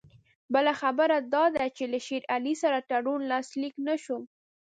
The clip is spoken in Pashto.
بله خبره دا ده چې له شېر علي سره تړون لاسلیک نه شو.